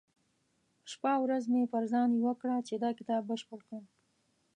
شپه او ورځ مې پر ځان يوه کړه چې دا کتاب بشپړ کړم.